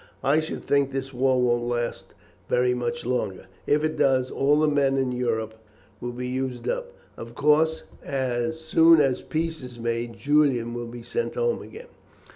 I should think this war won't last very much longer. If it does all the men in Europe will be used up. Of course, as soon as peace is made Julian will be sent home again."